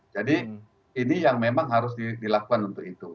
jadi ini yang memang harus dilakukan untuk itu